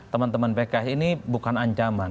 teman teman pks ini bukan ancaman